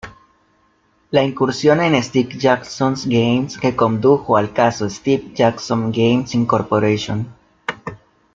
La incursión en Steve Jackson Games, que condujo al caso "Steve Jackson Games, Inc.